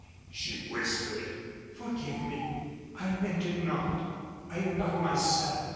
she whispered. "Forgive me. I meant it not. I am not myself.